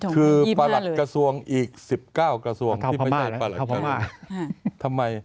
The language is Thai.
คือประหลัดกระทรวงอีก๑๙กระทรวงที่ไม่ใช่ประหลัดใช่ไหม